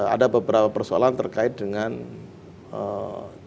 ada beberapa persoalan terkait dengan eee